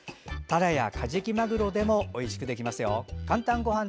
たらやカジキマグロでもおいしくできますよ。